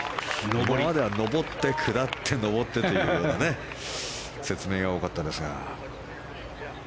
今までは上って下って上ってというような説明が多かったですが。